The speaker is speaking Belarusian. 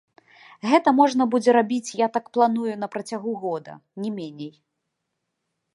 Гэта можна будзе рабіць, я так планую, на працягу года, не меней.